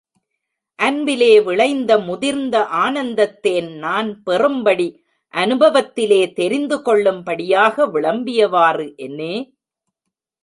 அன்பிலே விளைந்த முதிர்ந்த ஆனந்தத் தேன் நான் பெறும்படி, அநுபவத்திலே தெரிந்து கொள்ளும்படியாக, விளம்பியவாறு என்னே!